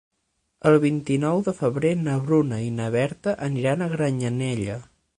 El vint-i-nou de febrer na Bruna i na Berta aniran a Granyanella.